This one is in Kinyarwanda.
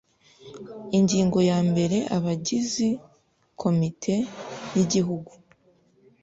Ingingo ya mbere Abagizi Komite y Igihugu